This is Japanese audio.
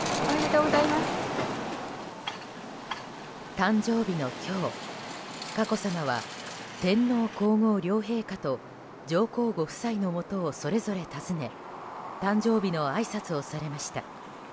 誕生日の今日、佳子さまは天皇・皇后両陛下と上皇ご夫妻のもとをそれぞれ訪ね誕生日のあいさつをされました。